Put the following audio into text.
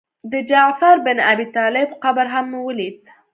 د جعفر بن ابي طالب قبر هم مې ولید.